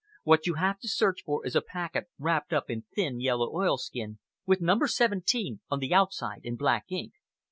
What you have to search for is a packet wrapped up in thin yellow oilskin, with 'Number 17' on the outside in black ink."